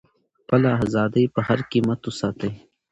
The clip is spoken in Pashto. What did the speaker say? خپله ازادي په هر قیمت وساتئ.